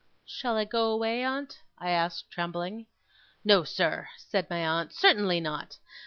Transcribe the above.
'Shall I go away, aunt?' I asked, trembling. 'No, sir,' said my aunt. 'Certainly not!